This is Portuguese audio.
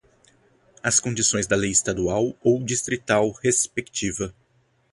as condições da lei estadual ou distrital respectiva